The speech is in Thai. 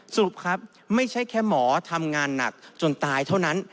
สรุปครับไม่ใช่แค่หมอทำงานหนักจนตายเท่านั้น